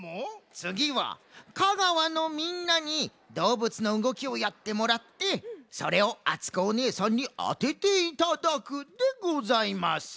つぎは香川のみんなにどうぶつのうごきをやってもらってそれをあつこおねえさんにあてていただくでございます。